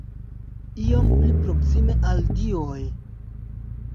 Iom pli proksime al dioj!